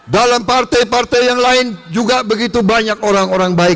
dalam partai partai yang lain juga begitu banyak orang orang baik